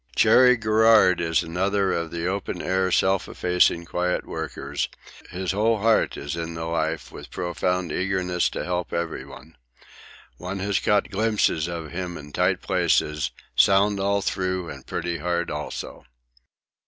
Cherry Garrard is another of the open air, self effacing, quiet workers; his whole heart is in the life, with profound eagerness to help everyone. 'One has caught glimpses of him in tight places; sound all through and pretty hard also.'